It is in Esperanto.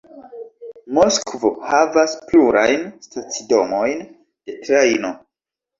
Moskvo havas plurajn stacidomojn de trajno.